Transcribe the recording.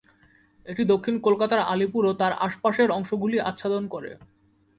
এটি দক্ষিণ কলকাতার আলিপুর ও তার আশপাশের অংশগুলি আচ্ছাদন করে।